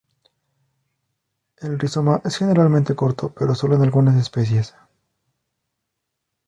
El rizoma es generalmente corto, pero solo en algunas especies.